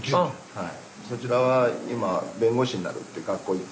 はい！